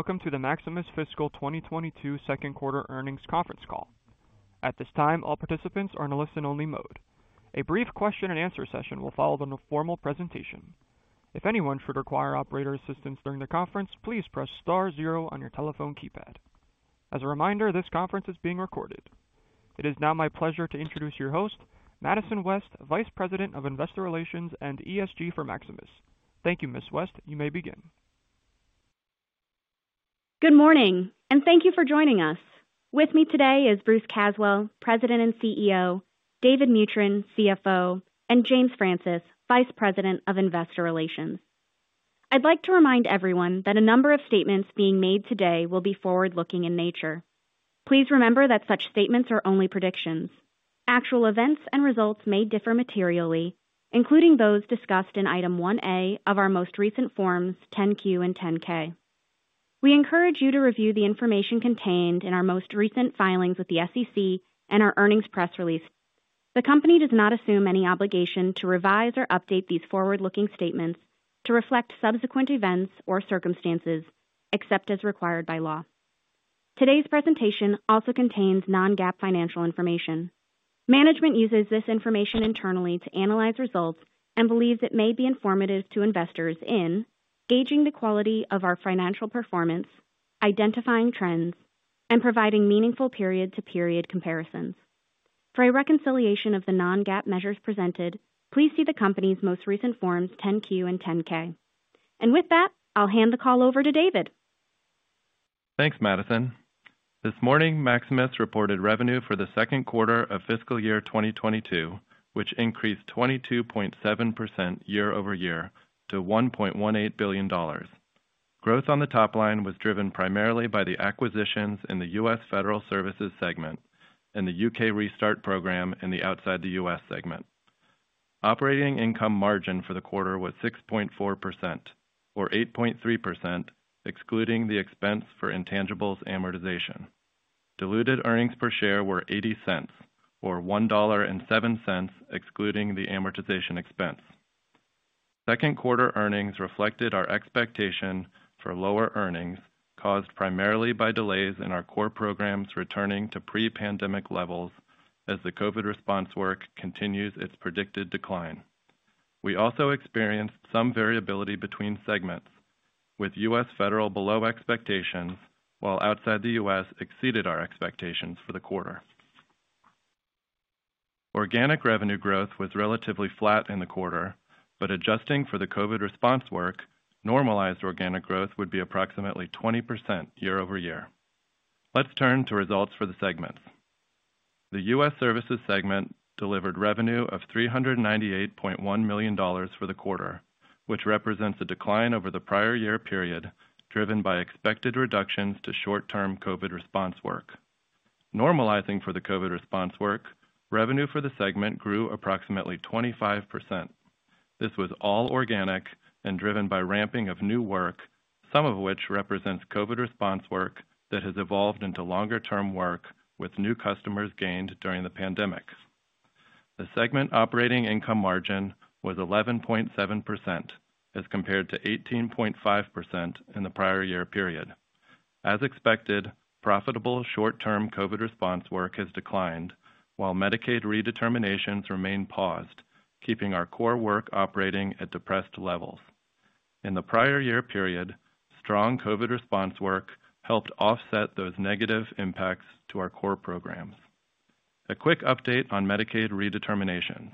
Welcome to the Maximus Fiscal 2022 Second Quarter Earnings Conference Call. At this time, all participants are in a listen-only mode. A brief question and answer session will follow the formal presentation. If anyone should require operator assistance during the conference, please press star zero on your telephone keypad. As a reminder, this conference is being recorded. It is now my pleasure to introduce your host, Madison West, Vice President of Investor Relations and ESG for Maximus. Thank you, Ms. West. You may begin. Good morning, and thank you for joining us. With me today is Bruce Caswell, President and CEO, David Mutryn, CFO, and James Francis, Vice President of Investor Relations. I'd like to remind everyone that a number of statements being made today will be forward-looking in nature. Please remember that such statements are only predictions. Actual events and results may differ materially, including those discussed in Item 1A of our most recent Form 10-Q and Form 10-K. We encourage you to review the information contained in our most recent filings with the SEC and our earnings press release. The company does not assume any obligation to revise or update these forward-looking statements to reflect subsequent events or circumstances except as required by law. Today's presentation also contains non-GAAP financial information. Management uses this information internally to analyze results and believes it may be informative to investors in gauging the quality of our financial performance, identifying trends, and providing meaningful period-to-period comparisons. For a reconciliation of the non-GAAP measures presented, please see the company's most recent Forms 10-Q and Form 10-K. With that, I'll hand the call over to David. Thanks, Madison. This morning, Maximus reported revenue for the second quarter of fiscal year 2022, which increased 22.7% year-over-year to $1.18 billion. Growth on the top line was driven primarily by the acquisitions in the U.S. Federal Services segment and the U.K. Restart program in the outside the U.S. segment. Operating income margin for the quarter was 6.4% or 8.3%, excluding the expense for intangibles amortization. Diluted earnings per share were $0.80 or $1.07, excluding the amortization expense. Second quarter earnings reflected our expectation for lower earnings caused primarily by delays in our core programs returning to pre-pandemic levels as the COVID response work continues its predicted decline. We also experienced some variability between segments, with U.S. Federal below expectations, while outside the U.S. exceeded our expectations for the quarter. Organic revenue growth was relatively flat in the quarter, but adjusting for the COVID response work, normalized organic growth would be approximately 20% year-over-year. Let's turn to results for the segments. The U.S. Services segment delivered revenue of $398.1 million for the quarter, which represents a decline over the prior year period, driven by expected reductions to short-term COVID response work. Normalizing for the COVID response work, revenue for the segment grew approximately 25%. This was all organic and driven by ramping of new work, some of which represents COVID response work that has evolved into longer-term work with new customers gained during the pandemic. The segment operating income margin was 11.7% as compared to 18.5% in the prior year period. As expected, profitable short-term COVID response work has declined while Medicaid redeterminations remain paused, keeping our core work operating at depressed levels. In the prior year period, strong COVID response work helped offset those negative impacts to our core programs. A quick update on Medicaid redeterminations.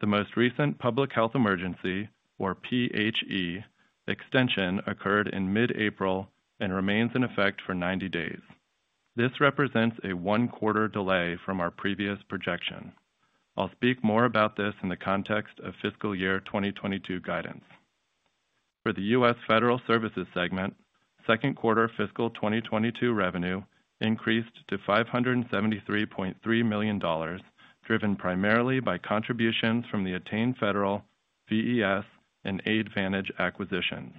The most recent public health emergency, or PHE, extension occurred in mid-April and remains in effect for 90 days. This represents a one-quarter delay from our previous projection. I'll speak more about this in the context of fiscal year 2022 guidance. For the U.S. Federal Services segment, second quarter fiscal 2022 revenue increased to $573.3 million, driven primarily by contributions from the Attain Federal, VES, and Aidvantage acquisitions.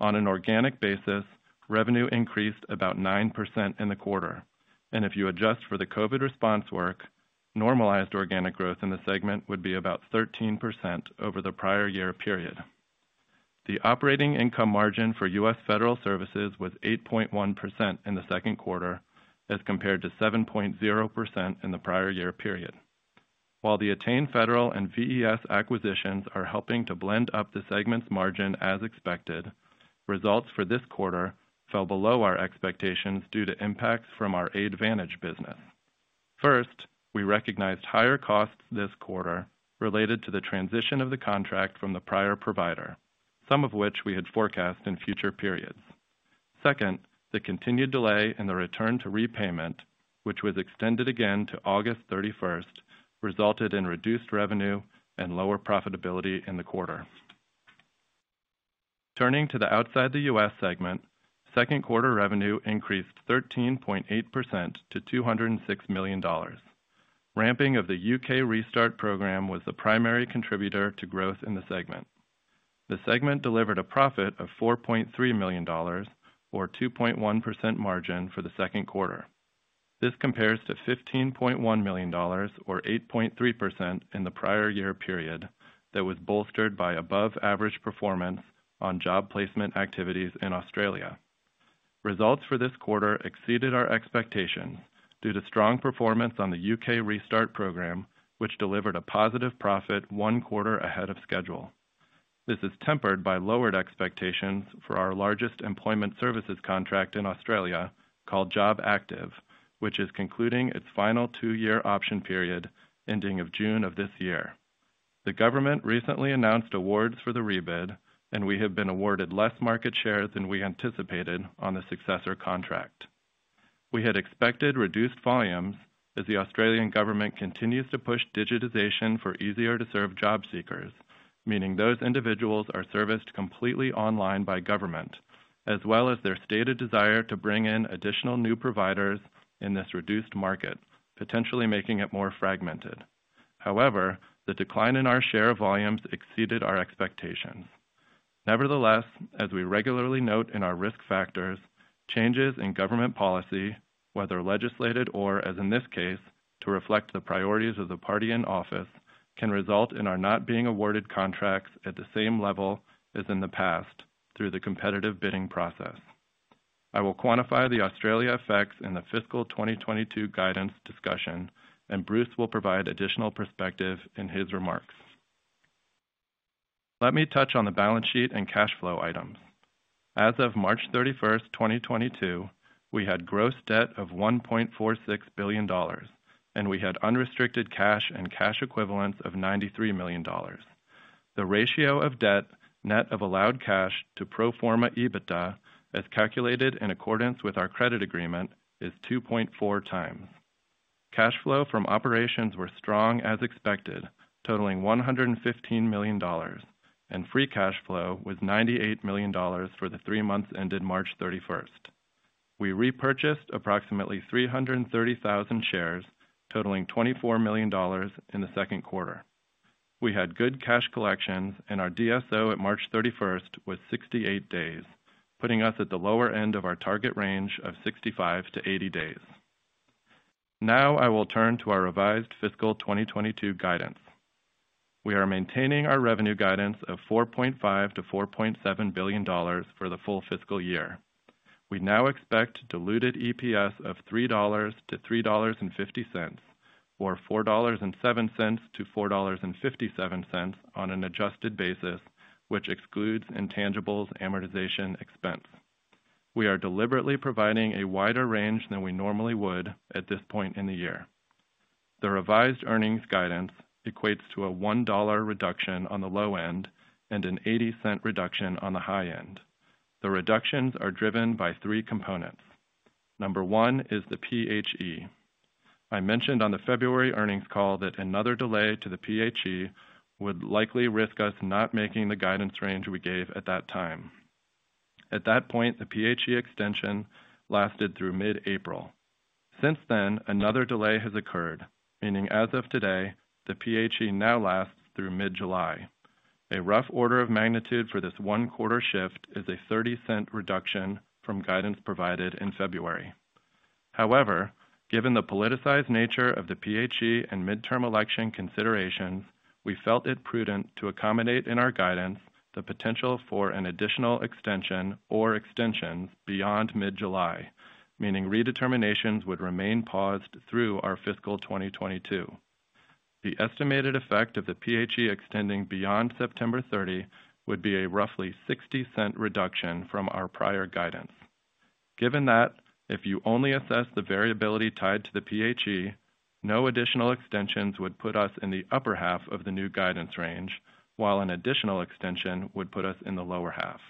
On an organic basis, revenue increased about 9% in the quarter. If you adjust for the COVID response work, normalized organic growth in the segment would be about 13% over the prior year period. The operating income margin for U.S. Federal Services was 8.1% in the second quarter as compared to 7.0% in the prior year period. While the Attain Federal and VES acquisitions are helping to blend up the segment's margin as expected, results for this quarter fell below our expectations due to impacts from our Aidvantage business. First, we recognized higher costs this quarter related to the transition of the contract from the prior provider, some of which we had forecast in future periods. Second, the continued delay in the return to repayment, which was extended again to August 31, resulted in reduced revenue and lower profitability in the quarter. Turning to the Outside the U.S. segment, second quarter revenue increased 13.8% to $206 million. Ramping of the UK Restart program was the primary contributor to growth in the segment. The segment delivered a profit of $4.3 million or 2.1% margin for the second quarter. This compares to $15.1 million or 8.3% in the prior year period that was bolstered by above-average performance on job placement activities in Australia. Results for this quarter exceeded our expectations due to strong performance on the UK Restart program, which delivered a positive profit one quarter ahead of schedule. This is tempered by lowered expectations for our largest employment services contract in Australia called jobactive, which is concluding its final two-year option period ending of June of this year. The government recently announced awards for the rebid, and we have been awarded less market share than we anticipated on the successor contract. We had expected reduced volumes as the Australian Government continues to push digitization for easier to serve job seekers, meaning those individuals are serviced completely online by government, as well as their stated desire to bring in additional new providers in this reduced market, potentially making it more fragmented. However, the decline in our share of volumes exceeded our expectations. Nevertheless, as we regularly note in our risk factors, changes in government policy, whether legislated or, as in this case, to reflect the priorities of the party in office, can result in our not being awarded contracts at the same level as in the past through the competitive bidding process. I will quantify the Australia effects in the fiscal 2022 guidance discussion, and Bruce will provide additional perspective in his remarks. Let me touch on the balance sheet and cash flow items. As of March 31, 2022, we had gross debt of $1.46 billion, and we had unrestricted cash and cash equivalents of $93 million. The ratio of debt net of allowed cash to pro forma EBITDA, as calculated in accordance with our credit agreement, is 2.4 times. Cash flow from operations were strong as expected, totaling $115 million, and free cash flow was $98 million for the three months ended March 31. We repurchased approximately 330,000 shares totaling $24 million in the second quarter. We had good cash collections and our DSO at March 31st was 68 days, putting us at the lower end of our target range of 65-80 days. Now I will turn to our revised fiscal 2022 guidance. We are maintaining our revenue guidance of $4.5-$4.7 billion for the full fiscal year. We now expect diluted EPS of $3-$3.50, or $4.07-$4.57 on an adjusted basis, which excludes intangibles amortization expense. We are deliberately providing a wider range than we normally would at this point in the year. The revised earnings guidance equates to a $1 reduction on the low end and an 80-cent reduction on the high end. The reductions are driven by three components. Number one is the PHE. I mentioned on the February earnings call that another delay to the PHE would likely risk us not making the guidance range we gave at that time. At that point, the PHE extension lasted through mid-April. Since then, another delay has occurred, meaning as of today, the PHE now lasts through mid-July. A rough order of magnitude for this one quarter shift is a $0.30 reduction from guidance provided in February. However, given the politicized nature of the PHE and midterm election considerations, we felt it prudent to accommodate in our guidance the potential for an additional extension or extensions beyond mid-July, meaning redeterminations would remain paused through our fiscal 2022. The estimated effect of the PHE extending beyond September 30 would be a roughly $0.60 reduction from our prior guidance. Given that, if you only assess the variability tied to the PHE, no additional extensions would put us in the upper half of the new guidance range, while an additional extension would put us in the lower half.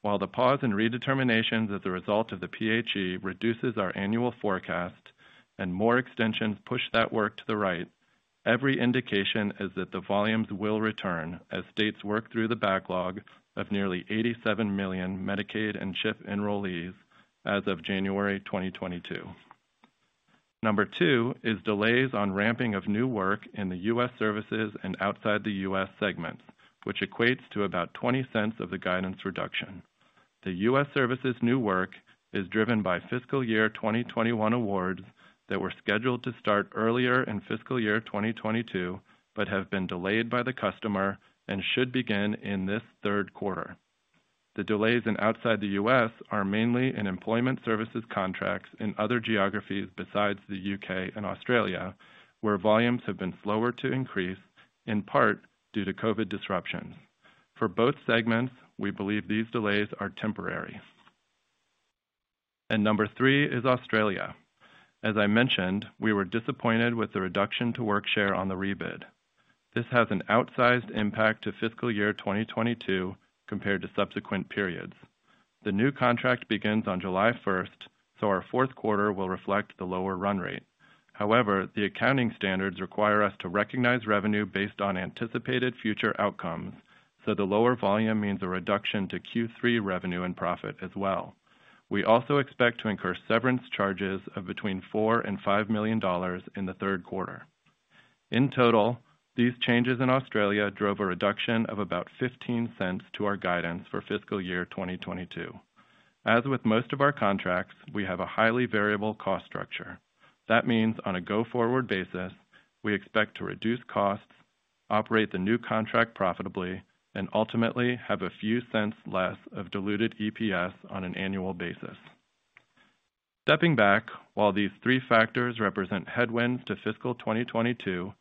While the pause in redeterminations as a result of the PHE reduces our annual forecast and more extensions push that work to the right, every indication is that the volumes will return as states work through the backlog of nearly 87 million Medicaid and CHIP enrollees as of January 2022. Number 2 is delays on ramping of new work in the U.S. Services and outside the U.S. segments, which equates to about $0.20 of the guidance reduction. The U.S. Services new work is driven by fiscal year 2021 awards that were scheduled to start earlier in fiscal year 2022, but have been delayed by the customer and should begin in this third quarter. The delays outside the U.S. are mainly in employment services contracts in other geographies besides the U.K. and Australia, where volumes have been slower to increase, in part due to COVID disruptions. For both segments, we believe these delays are temporary. Number three is Australia. As I mentioned, we were disappointed with the reduction to work share on the rebid. This has an outsized impact to fiscal year 2022 compared to subsequent periods. The new contract begins on July 1, so our fourth quarter will reflect the lower run rate. However, the accounting standards require us to recognize revenue based on anticipated future outcomes, so the lower volume means a reduction to Q3 revenue and profit as well. We also expect to incur severance charges of between $4 million and $5 million in the third quarter. In total, these changes in Australia drove a reduction of about 15 cents to our guidance for fiscal year 2022. As with most of our contracts, we have a highly variable cost structure. That means on a go-forward basis, we expect to reduce costs, operate the new contract profitably, and ultimately have a few cents less of diluted EPS on an annual basis. Stepping back, while these three factors represent headwinds to fiscal 2022,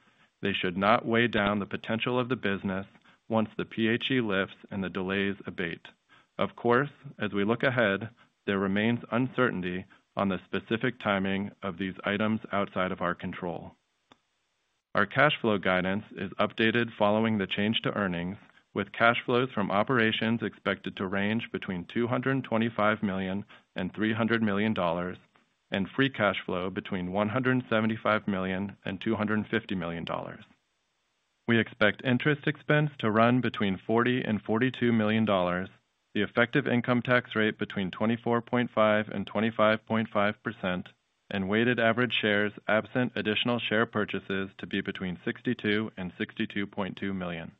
they should not weigh down the potential of the business once the PHE lifts and the delays abate. Of course, as we look ahead, there remains uncertainty on the specific timing of these items outside of our control. Our cash flow guidance is updated following the change to earnings, with cash flows from operations expected to range between $225 million and $300 million, and free cash flow between $175 million and $250 million. We expect interest expense to run between $40 million and $42 million, the effective income tax rate between 24.5% and 25.5%, and weighted average shares absent additional share purchases to be between 62 and 62.2 million.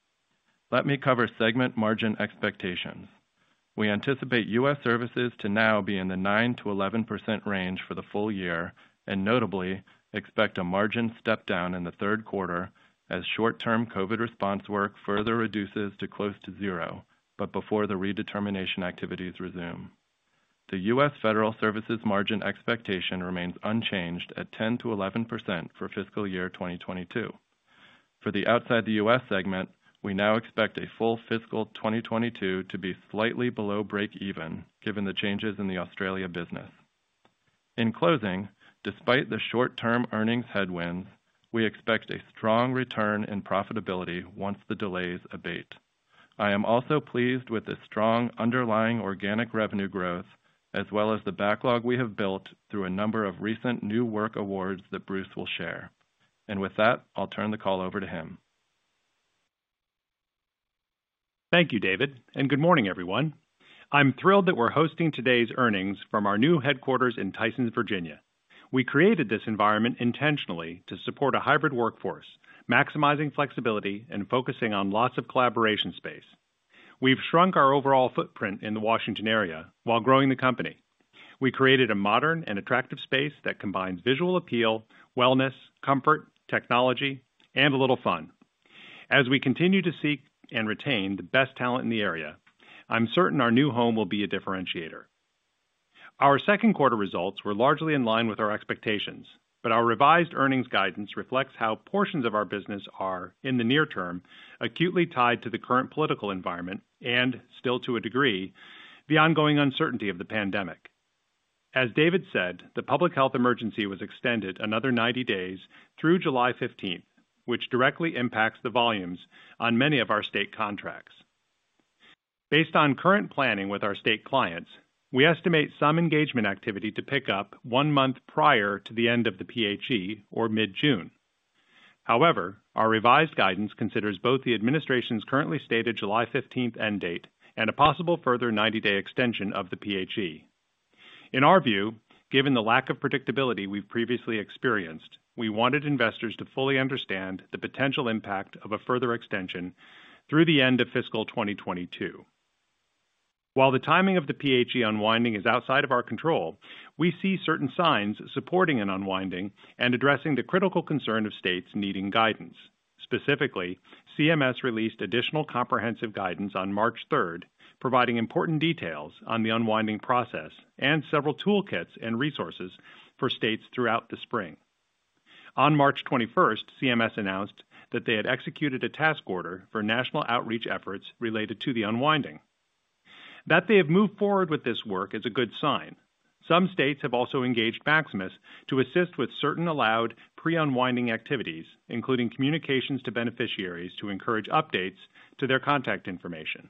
Let me cover segment margin expectations. We anticipate U.S. Services to now be in the 9%-11% range for the full year, and notably expect a margin step down in the third quarter as short-term COVID response work further reduces to close to zero, but before the redetermination activities resume. The U.S. Federal Services margin expectation remains unchanged at 10%-11% for fiscal year 2022. For the outside the U.S. segment, we now expect a full fiscal 2022 to be slightly below break even given the changes in the Australia business. In closing, despite the short-term earnings headwinds, we expect a strong return in profitability once the delays abate. I am also pleased with the strong underlying organic revenue growth, as well as the backlog we have built through a number of recent new work awards that Bruce will share. With that, I'll turn the call over to him. Thank you, David, and good morning, everyone. I'm thrilled that we're hosting today's earnings from our new headquarters in Tysons, Virginia. We created this environment intentionally to support a hybrid workforce, maximizing flexibility and focusing on lots of collaboration space. We've shrunk our overall footprint in the Washington area while growing the company. We created a modern and attractive space that combines visual appeal, wellness, comfort, technology, and a little fun. As we continue to seek and retain the best talent in the area, I'm certain our new home will be a differentiator. Our second quarter results were largely in line with our expectations, but our revised earnings guidance reflects how portions of our business are, in the near term, acutely tied to the current political environment and still to a degree, the ongoing uncertainty of the pandemic. As David said, the public health emergency was extended another 90 days through July 15th, which directly impacts the volumes on many of our state contracts. Based on current planning with our state clients, we estimate some engagement activity to pick up one month prior to the end of the PHE or mid-June. However, our revised guidance considers both the administration's currently stated July 15th end date and a possible further 90-day extension of the PHE. In our view, given the lack of predictability we've previously experienced, we wanted investors to fully understand the potential impact of a further extension through the end of fiscal 2022. While the timing of the PHE unwinding is outside of our control, we see certain signs supporting an unwinding and addressing the critical concern of states needing guidance. Specifically, CMS released additional comprehensive guidance on March 3, providing important details on the unwinding process and several toolkits and resources for states throughout the spring. On March 21, CMS announced that they had executed a task order for national outreach efforts related to the unwinding. That they have moved forward with this work is a good sign. Some states have also engaged Maximus to assist with certain allowed pre-unwinding activities, including communications to beneficiaries to encourage updates to their contact information.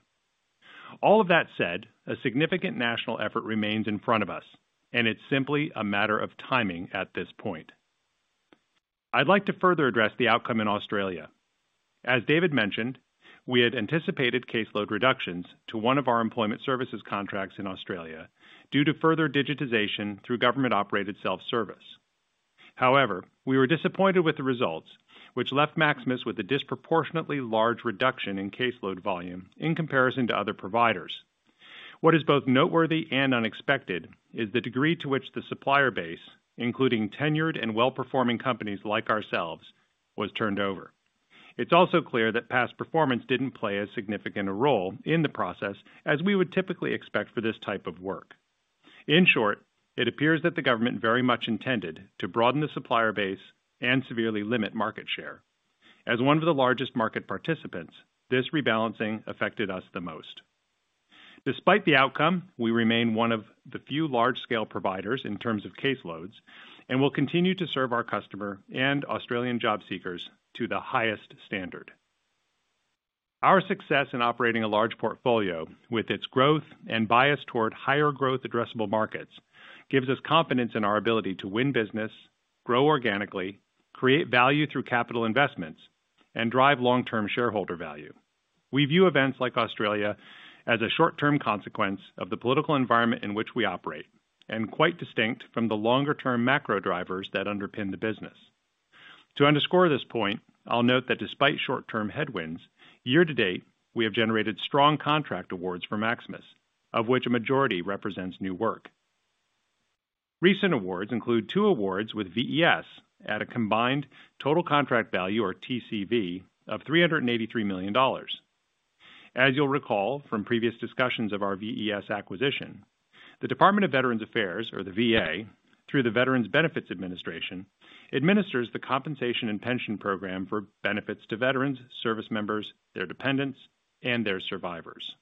All of that said, a significant national effort remains in front of us, and it's simply a matter of timing at this point. I'd like to further address the outcome in Australia. As David mentioned, we had anticipated caseload reductions to one of our employment services contracts in Australia due to further digitization through government-operated self-service. However, we were disappointed with the results which left Maximus with a disproportionately large reduction in caseload volume in comparison to other providers. What is both noteworthy and unexpected is the degree to which the supplier base, including tenured and well-performing companies like ourselves, was turned over. It's also clear that past performance didn't play a significant role in the process as we would typically expect for this type of work. In short, it appears that the government very much intended to broaden the supplier base and severely limit market share. As one of the largest market participants, this rebalancing affected us the most. Despite the outcome, we remain one of the few large-scale providers in terms of caseloads and will continue to serve our customer and Australian job seekers to the highest standard. Our success in operating a large portfolio with its growth and bias toward higher growth addressable markets gives us confidence in our ability to win business, grow organically, create value through capital investments, and drive long-term shareholder value. We view events like Australia as a short-term consequence of the political environment in which we operate, and quite distinct from the longer-term macro drivers that underpin the business. To underscore this point, I'll note that despite short-term headwinds, year to date, we have generated strong contract awards for Maximus, of which a majority represents new work. Recent awards include two awards with VES at a combined total contract value, or TCV, of $383 million. As you'll recall from previous discussions of our VES acquisition, the Department of Veterans Affairs, or the VA, through the Veterans Benefits Administration, administers the compensation and pension program for benefits to veterans, service members, their dependents, and their survivors.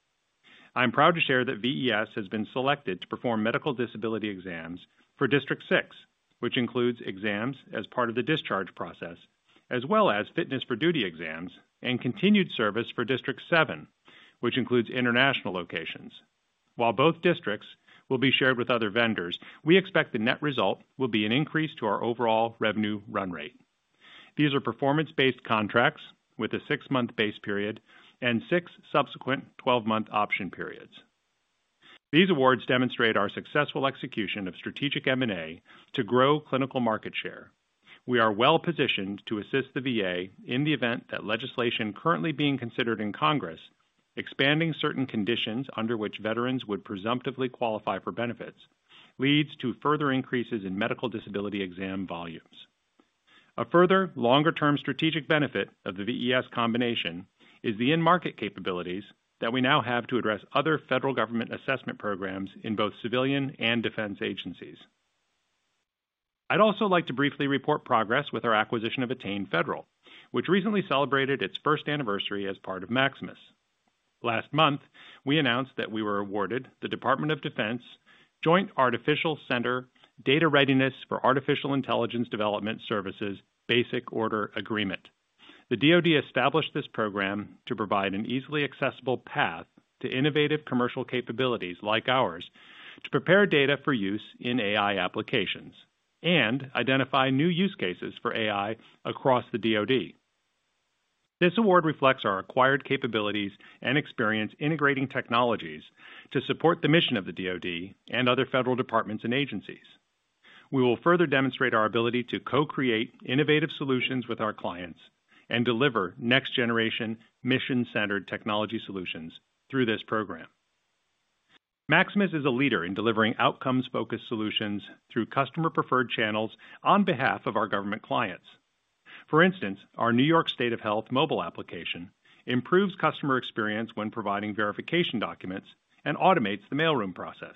I'm proud to share that VES has been selected to perform medical disability exams for District Six, which includes exams as part of the discharge process, as well as fitness for duty exams and continued service for District Seven, which includes international locations. While both districts will be shared with other vendors, we expect the net result will be an increase to our overall revenue run rate. These are performance-based contracts with a 6-month base period and 6 subsequent 12-month option periods. These awards demonstrate our successful execution of strategic M&A to grow clinical market share. We are well-positioned to assist the VA in the event that legislation currently being considered in Congress, expanding certain conditions under which veterans would presumptively qualify for benefits, leads to further increases in medical disability exam volumes. A further longer-term strategic benefit of the VES combination is the in-market capabilities that we now have to address other federal government assessment programs in both civilian and defense agencies. I'd also like to briefly report progress with our acquisition of Attain Federal, which recently celebrated its first anniversary as part of Maximus. Last month, we announced that we were awarded the Department of Defense Joint Artificial Intelligence Center Data Readiness for Artificial Intelligence Development Services Basic Ordering Agreement. The DoD established this program to provide an easily accessible path to innovative commercial capabilities like ours to prepare data for use in AI applications and identify new use cases for AI across the DoD. This award reflects our acquired capabilities and experience integrating technologies to support the mission of the DoD and other federal departments and agencies. We will further demonstrate our ability to co-create innovative solutions with our clients and deliver next-generation mission-centered technology solutions through this program. Maximus is a leader in delivering outcomes-focused solutions through customer-preferred channels on behalf of our government clients. For instance, our New York State of Health mobile application improves customer experience when providing verification documents and automates the mail room process.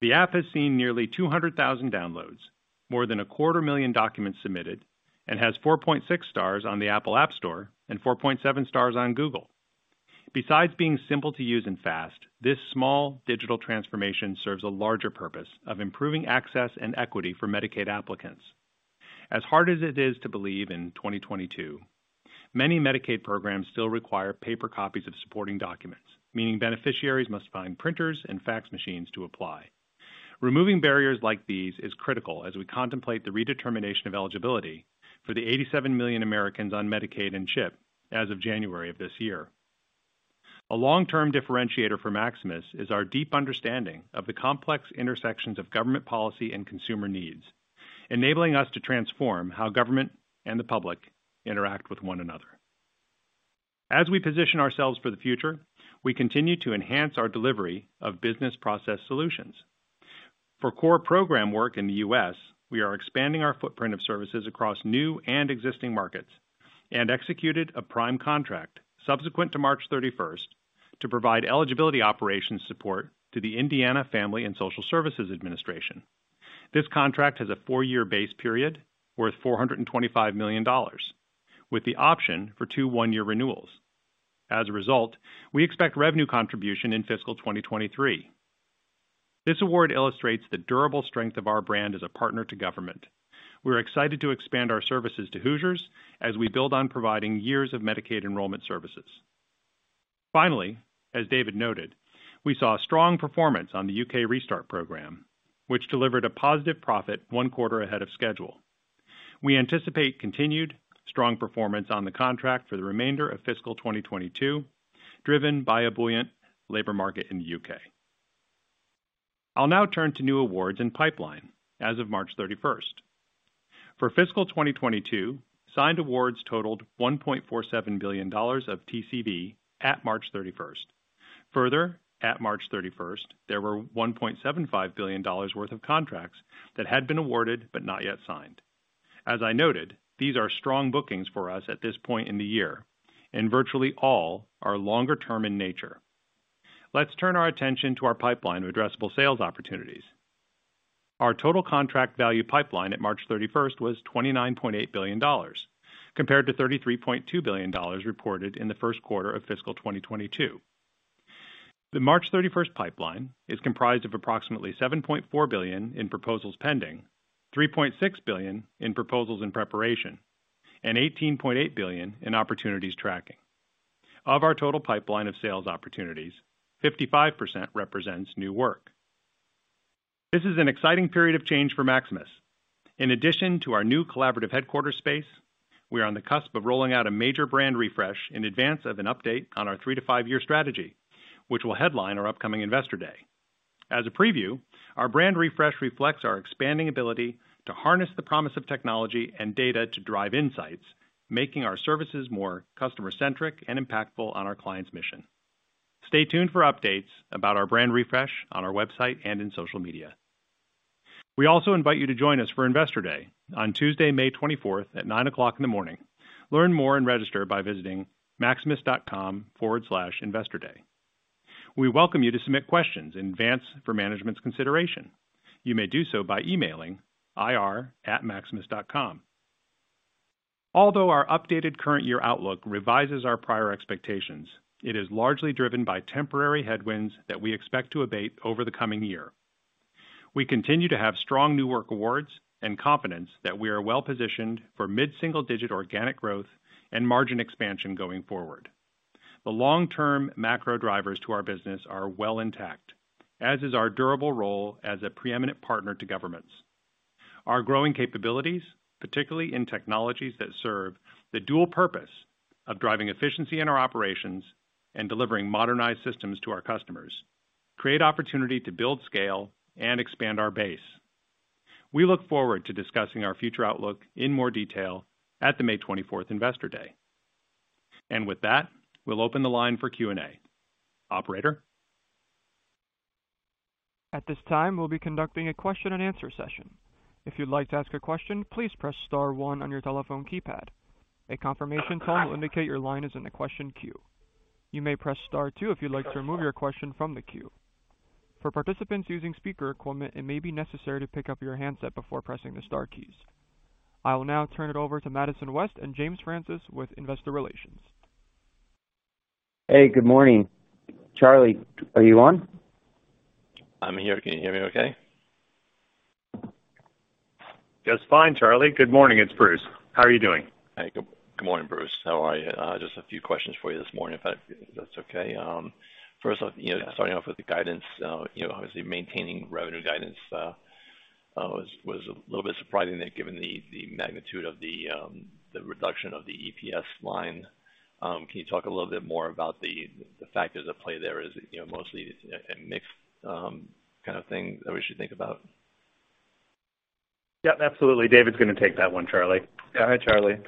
The app has seen nearly 200,000 downloads, more than 250,000 documents submitted, and has 4.6 stars on the Apple App Store and 4.7 stars on Google. Besides being simple to use and fast, this small digital transformation serves a larger purpose of improving access and equity for Medicaid applicants. As hard as it is to believe in 2022, many Medicaid programs still require paper copies of supporting documents, meaning beneficiaries must find printers and fax machines to apply. Removing barriers like these is critical as we contemplate the redetermination of eligibility for the 87 million Americans on Medicaid and CHIP as of January of this year. A long-term differentiator for Maximus is our deep understanding of the complex intersections of government policy and consumer needs, enabling us to transform how government and the public interact with one another. As we position ourselves for the future, we continue to enhance our delivery of business process solutions. For core program work in the U.S., we are expanding our footprint of services across new and existing markets and executed a prime contract subsequent to March 31 to provide eligibility operations support to the Indiana Family and Social Services Administration. This contract has a 4-year base period worth $425 million with the option for two 1-year renewals. As a result, we expect revenue contribution in fiscal 2023. This award illustrates the durable strength of our brand as a partner to government. We're excited to expand our services to hoosiers as we build on providing years of Medicaid enrollment services. Finally, as David noted, we saw strong performance on the U.K. Restart program, which delivered a positive profit one quarter ahead of schedule. We anticipate continued strong performance on the contract for the remainder of fiscal 2022, driven by a buoyant labor market in the U.K. I'll now turn to new awards and pipeline as of March 31. For fiscal 2022, signed awards totaled $1.47 billion of TCV at March 31. Further, at March 31, there were $1.75 billion worth of contracts that had been awarded but not yet signed. As I noted, these are strong bookings for us at this point in the year, and virtually all are longer-term in nature. Let's turn our attention to our pipeline of addressable sales opportunities. Our total contract value pipeline at March 31 was $29.8 billion, compared to $33.2 billion reported in the first quarter of fiscal 2022. The March 31 pipeline is comprised of approximately $7.4 billion in proposals pending, $3.6 billion in proposals in preparation, and $18.8 billion in opportunities tracking. Of our total pipeline of sales opportunities, 55% represents new work. This is an exciting period of change for Maximus. In addition to our new collaborative headquarters space, we are on the cusp of rolling out a major brand refresh in advance of an update on our 3-5-year strategy, which will headline our upcoming Investor Day. As a preview, our brand refresh reflects our expanding ability to harness the promise of technology and data to drive insights, making our services more customer-centric and impactful on our clients' mission. Stay tuned for updates about our brand refresh on our website and in social media. We also invite you to join us for Investor Day on Tuesday, May 24 at 9:00 A.M. Learn more and register by visiting maximus.com/investorday. We welcome you to submit questions in advance for management's consideration. You may do so by emailing IR@maximus.com. Although our updated current year outlook revises our prior expectations, it is largely driven by temporary headwinds that we expect to abate over the coming year. We continue to have strong new work awards and confidence that we are well-positioned for mid-single digit organic growth and margin expansion going forward. The long-term macro drivers to our business are well intact, as is our durable role as a preeminent partner to governments. Our growing capabilities, particularly in technologies that serve the dual purpose of driving efficiency in our operations and delivering modernized systems to our customers, create opportunity to build scale and expand our base. We look forward to discussing our future outlook in more detail at the May 24 Investor Day. With that, we'll open the line for Q&A. Operator? At this time, we'll be conducting a question-and-answer session. If you'd like to ask a question, please press star one on your telephone keypad. A confirmation tone will indicate your line is in the question queue. You may press star two if you'd like to remove your question from the queue. For participants using speaker equipment, it may be necessary to pick up your handset before pressing the star keys. I will now turn it over to Madison West and James Francis with Investor Relations. Hey, good morning. Charlie, are you on? I'm here. Can you hear me okay? Just fine, Charlie. Good morning. It's Bruce. How are you doing? Hey, good morning, Bruce. How are you? Just a few questions for you this morning, if that's okay. First off, you know, starting off with the guidance, you know, obviously maintaining revenue guidance was a little bit surprising given the magnitude of the reduction of the EPS line. Can you talk a little bit more about the factors at play there? Is it, you know, mostly a mixed kind of thing that we should think about? Yeah, absolutely. David's gonna take that one, Charlie. Hi, Charlie.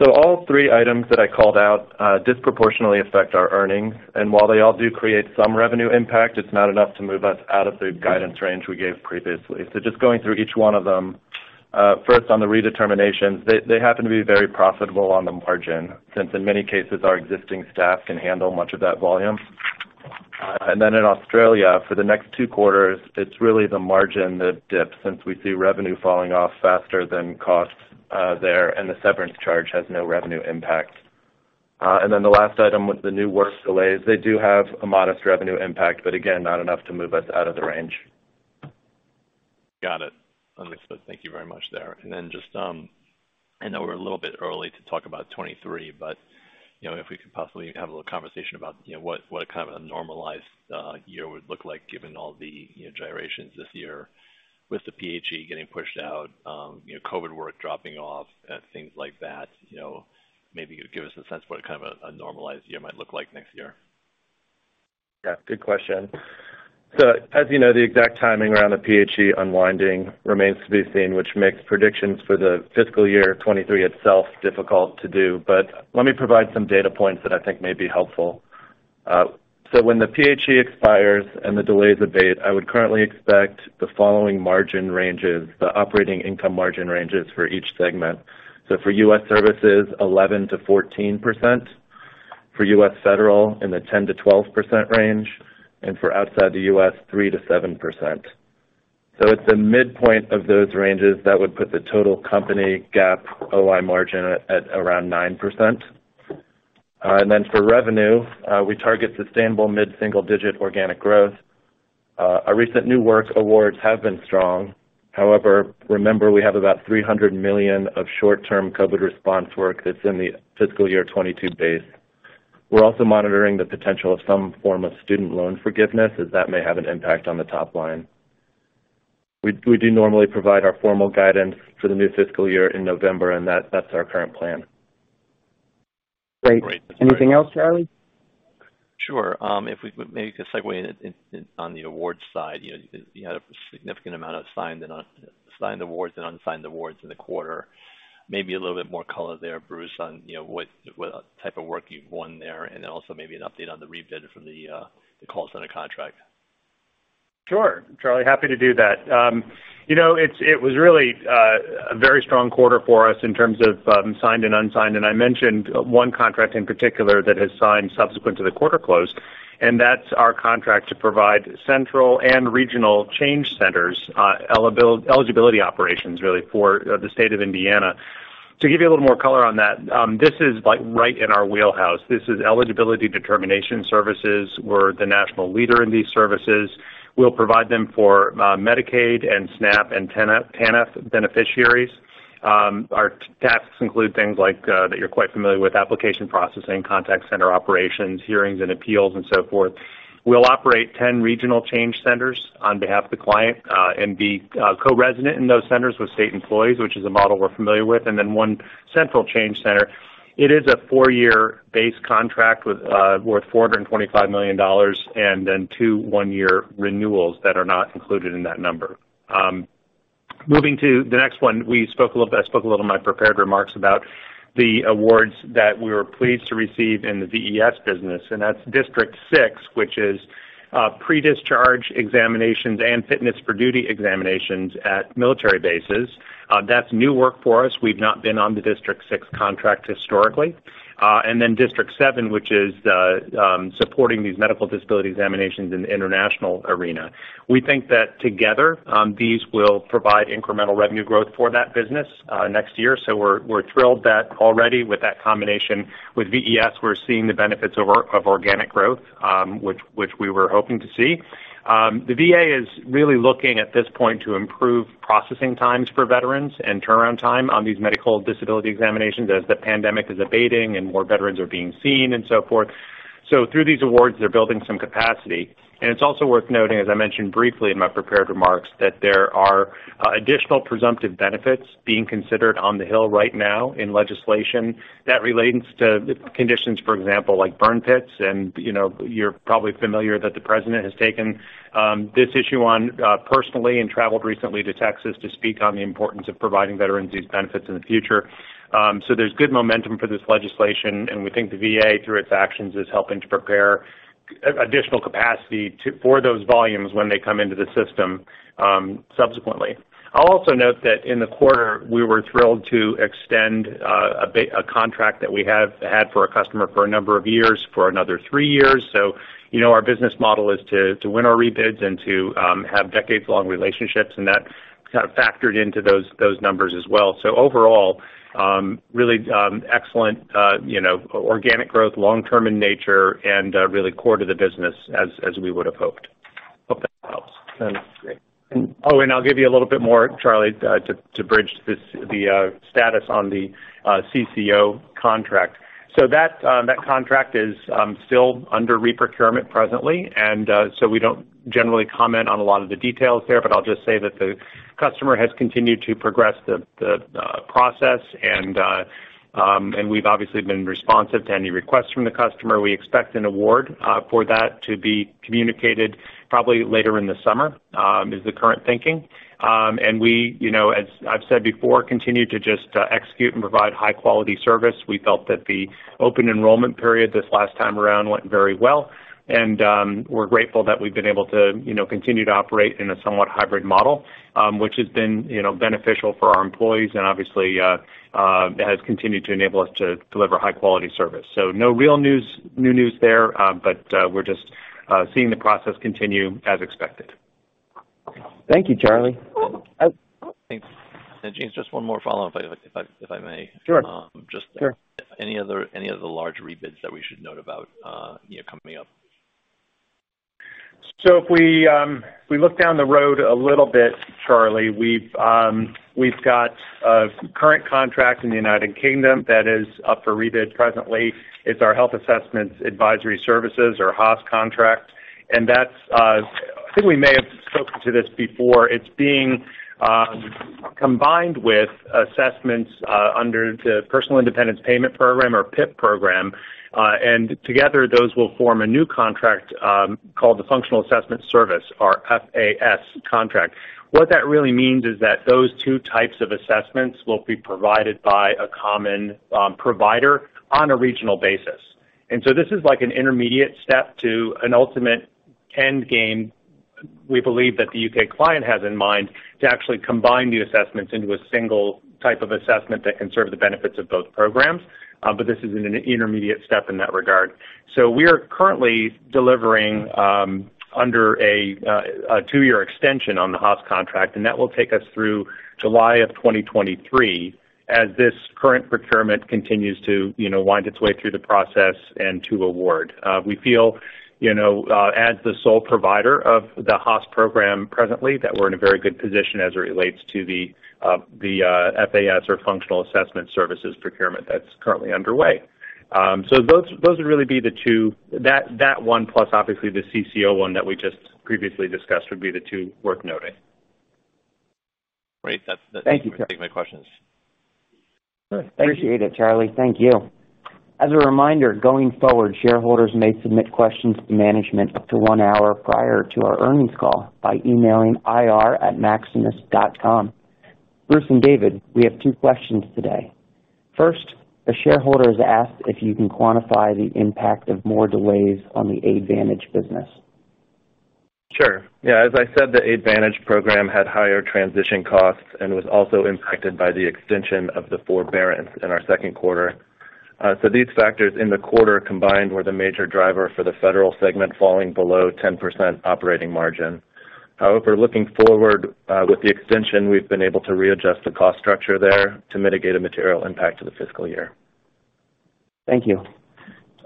All three items that I called out disproportionately affect our earnings, and while they all do create some revenue impact, it's not enough to move us out of the guidance range we gave previously. Just going through each one of them. First on the redeterminations, they happen to be very profitable on the margin, since in many cases, our existing staff can handle much of that volume. In Australia, for the next two quarters, it's really the margin that dips since we see revenue falling off faster than cost there, and the severance charge has no revenue impact. The last item was the new worst delays. They do have a modest revenue impact, but again, not enough to move us out of the range. Got it. Understood. Thank you very much there. Just, I know we're a little bit early to talk about 2023, but, you know, if we could possibly have a little conversation about, you know, what a kind of a normalized year would look like given all of the, you know, gyrations this year with the PHE getting pushed out, you know, COVID work dropping off and things like that, you know, maybe give us a sense what kind of a normalized year might look like next year. Yeah, good question. As you know, the exact timing around the PHE unwinding remains to be seen, which makes predictions for the fiscal year 2023 itself difficult to do. Let me provide some data points that I think may be helpful. When the PHE expires and the delays abate, I would currently expect the following margin ranges, the operating income margin ranges for each segment. For U.S. Services, 11%-14%, for U.S. Federal Services in the 10%-12% range, and for outside the U.S., 3%-7%. It's a midpoint of those ranges that would put the total company GAAP OI margin at around 9%. And then for revenue, we target sustainable mid-single-digit organic growth. Our recent new work awards have been strong. However, remember, we have about $300 million of short-term COVID response work that's in the fiscal year 2022 base. We're also monitoring the potential of some form of student loan forgiveness, as that may have an impact on the top line. We do normally provide our formal guidance for the new fiscal year in November, and that's our current plan. Great. Anything else, Charlie? Sure. If we maybe could segue in on the awards side, you know, you had a significant amount of signed and unsigned awards in the quarter. Maybe a little bit more color there, Bruce, on, you know, what type of work you've won there, and then also maybe an update on the rebid from the call center contract. Sure, Charlie. Happy to do that. You know, it was really a very strong quarter for us in terms of signed and unsigned. I mentioned one contract in particular that has signed subsequent to the quarter close, and that's our contract to provide central and regional exchange centers, eligibility operations, really, for the state of Indiana. To give you a little more color on that, this is like right in our wheelhouse. This is eligibility determination services. We're the national leader in these services. We'll provide them for Medicaid and SNAP and TANF beneficiaries. Our tasks include things like that you're quite familiar with, application processing, contact center operations, hearings and appeals and so forth. We'll operate 10 regional exchange centers on behalf of the client, and be co-resident in those centers with state employees, which is a model we're familiar with, and then one central exchange center. It is a 4-year base contract worth $425 million and then 2 1-year renewals that are not included in that number. Moving to the next one, I spoke a little in my prepared remarks about the awards that we were pleased to receive in the VES business, and that's District Six, which is pre-discharge examinations and fitness for duty examinations at military bases. That's new work for us. We've not been on the District Six contract historically. And then District Seven, which is supporting these medical disability examinations in the international arena. We think that together, these will provide incremental revenue growth for that business, next year, so we're thrilled that already with that combination with VES, we're seeing the benefits of organic growth, which we were hoping to see. The VA is really looking at this point to improve processing times for veterans and turnaround time on these medical disability examinations as the pandemic is abating and more veterans are being seen and so forth. Through these awards, they're building some capacity. It's also worth noting, as I mentioned briefly in my prepared remarks, that there are additional presumptive benefits being considered on the Hill right now in legislation that relates to conditions, for example, like burn pits, and, you know, you're probably familiar that the President has taken this issue on personally and traveled recently to Texas to speak on the importance of providing veterans these benefits in the future. There's good momentum for this legislation, and we think the VA, through its actions, is helping to prepare additional capacity for those volumes when they come into the system subsequently. I'll also note that in the quarter, we were thrilled to extend a contract that we have had for our customer for a number of years for another three years. You know, our business model is to win our rebids and to have decades-long relationships, and that kind of factored into those numbers as well. Overall, really excellent, you know, organic growth, long term in nature, and really core to the business as we would've hoped. Hope that helps. Sounds great. Oh, I'll give you a little bit more, Charlie, to bridge this, the status on the CCO contract. That contract is still under re-procurement presently, and so we don't generally comment on a lot of the details there, but I'll just say that the customer has continued to progress the process and we've obviously been responsive to any requests from the customer. We expect an award for that to be communicated probably later in the summer is the current thinking. We, you know, as I've said before, continue to just execute and provide high-quality service. We felt that the open enrollment period this last time around went very well, and we're grateful that we've been able to, you know, continue to operate in a somewhat hybrid model, which has been, you know, beneficial for our employees and obviously has continued to enable us to deliver high-quality service. No real new news there, but we're just seeing the process continue as expected. Thank you, Charlie. Thanks. James, just one more follow-up if I may. Sure. Um, just- Sure. Any other large rebids that we should note about, you know, coming up? If we look down the road a little bit, Charlie, we've got a current contract in the United Kingdom that is up for rebid presently. It's our Health Assessments Advisory Services or HAAS contract. That's, I think we may have spoken to this before. It's being combined with assessments under the Personal Independence Payment program or PIP program, and together, those will form a new contract called the Functional Assessment Service or FAS contract. What that really means is that those two types of assessments will be provided by a common provider on a regional basis. This is like an intermediate step to an ultimate end game we believe that the UK client has in mind to actually combine the assessments into a single type of assessment that can serve the benefits of both programs, but this is an intermediate step in that regard. We are currently delivering under a two-year extension on the HAAS contract, and that will take us through July of 2023 as this current procurement continues to, you know, wind its way through the process and to award. We feel, you know, as the sole provider of the HAAS program presently, that we're in a very good position as it relates to the FAS or Functional Assessment Services procurement that's currently underway. Those would really be the two... That one plus obviously the CCO one that we just previously discussed would be the two worth noting. Great. That's Thank you. Take my questions. Appreciate it, Charlie. Thank you. As a reminder, going forward, shareholders may submit questions to management up to one hour prior to our earnings call by emailing IR@maximus.com. Bruce and David, we have two questions today. First, a shareholder has asked if you can quantify the impact of more delays on the Aidvantage business. Sure. Yeah, as I said, the Aidvantage program had higher transition costs and was also impacted by the extension of the forbearance in our second quarter. These factors in the quarter combined were the major driver for the federal segment falling below 10% operating margin. However, looking forward, with the extension, we've been able to readjust the cost structure there to mitigate a material impact to the fiscal year. Thank you.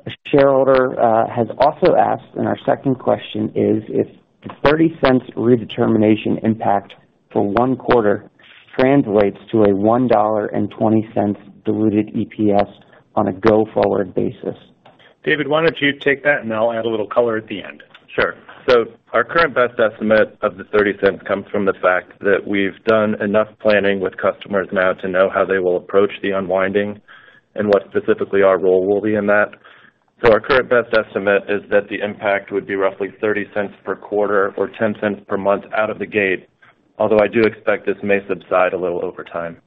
A shareholder has also asked, and our second question is, if the $0.30 redetermination impact for one quarter translates to a $1.20 diluted EPS on a go forward basis? David, why don't you take that and I'll add a little color at the end. Sure. Our current best estimate of the $0.30 comes from the fact that we've done enough planning with customers now to know how they will approach the unwinding and what specifically our role will be in that. Our current best estimate is that the impact would be roughly $0.30 per quarter or $0.10 per month out of the gate. Although I do expect this may subside a little over time.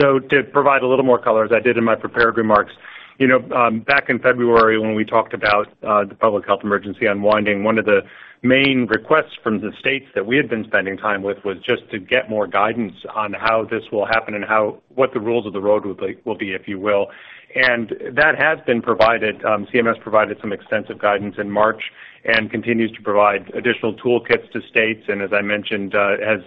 To provide a little more color, as I did in my prepared remarks, you know, back in February when we talked about the public health emergency unwinding, one of the main requests from the states that we had been spending time with was just to get more guidance on how this will happen and how what the rules of the road would be will be, if you will. That has been provided. CMS provided some extensive guidance in March and continues to provide additional toolkits to states, and as I mentioned, has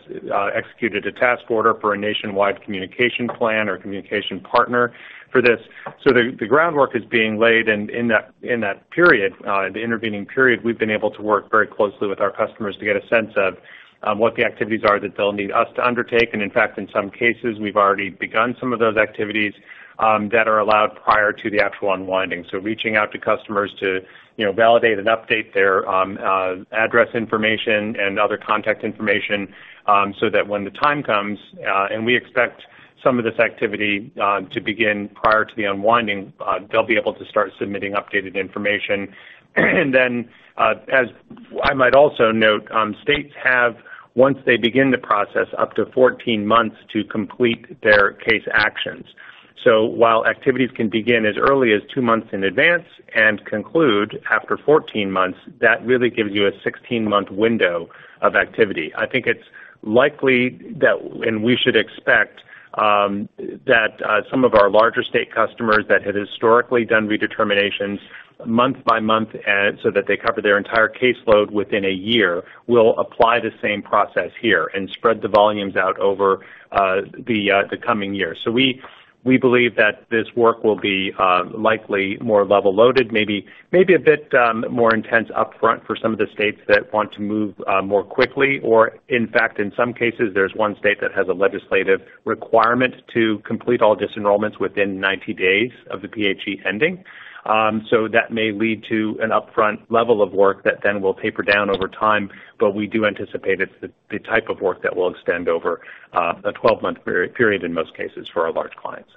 executed a task order for a nationwide communication plan or communication partner for this. The groundwork is being laid in that period. The intervening period, we've been able to work very closely with our customers to get a sense of what the activities are that they'll need us to undertake. In fact, in some cases, we've already begun some of those activities that are allowed prior to the actual unwinding. Reaching out to customers to, you know, validate and update their address information and other contact information, so that when the time comes, and we expect some of this activity to begin prior to the unwinding, they'll be able to start submitting updated information. Then, as I might also note, states have, once they begin the process, up to 14 months to complete their case actions. While activities can begin as early as 2 months in advance and conclude after 14 months, that really gives you a 16-month window of activity. I think it's likely that, and we should expect, that some of our larger state customers that had historically done redeterminations month by month so that they cover their entire caseload within a year, will apply the same process here and spread the volumes out over the coming year. We believe that this work will be likely more level loaded, maybe a bit more intense upfront for some of the states that want to move more quickly. In fact, in some cases, there's one state that has a legislative requirement to complete all disenrollments within 90 days of the PHE ending. That may lead to an upfront level of work that then will taper down over time. We do anticipate it's the type of work that will extend over a 12-month period in most cases for our large clients.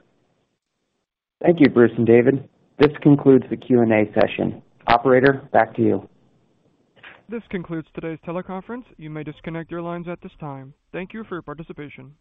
Thank you, Bruce and David. This concludes the Q&A session. Operator, back to you. This concludes today's teleconference. You may disconnect your lines at this time. Thank you for your participation.